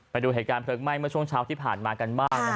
ไปดูเหตุการณ์เพลิงไหม้เมื่อช่วงเช้าที่ผ่านมากันบ้าง